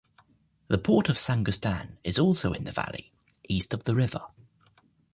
The port of Saint-Goustan is also in the valley, east of the River.